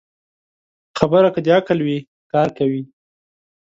خبره که د عقل وي، کار کوي